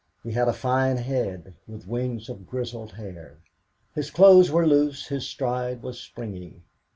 He had a fine head, with wings of grizzled hair. His clothes were loose, his stride was springy.